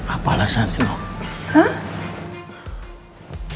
apa alasannya noh